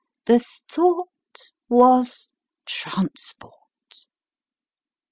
" The thought was transport.